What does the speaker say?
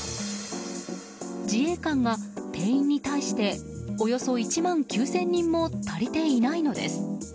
自衛官が定員に対しておよそ１万９０００人も足りていないのです。